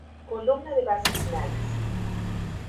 Columna de base sin alas.